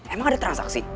emang ada transaksi